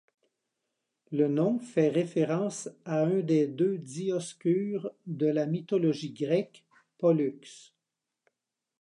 Le nom fait référence à un des deux dioscures de la mythologie grecque, Pollux.